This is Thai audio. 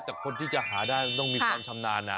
แต่คนที่จะหาได้ต้องมีความชำนาญนะ